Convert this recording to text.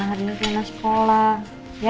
yang penting jangan sampai kenyang ya makan secukupnya